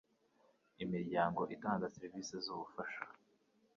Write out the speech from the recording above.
imiryango itanga serivisi z ubufasha